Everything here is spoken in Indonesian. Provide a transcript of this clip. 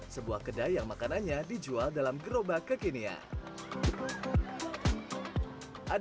sebuah kedai yang makanannya dijual dalam gerobak kekinian